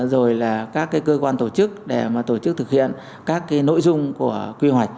rồi là các cơ quan tổ chức để tổ chức thực hiện các nội dung của quy hoạch